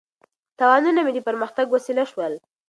تاوانونه مې د پرمختګ وسیله شول.